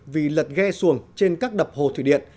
vì lật ghe xuồng trên các đập hồ thủy điện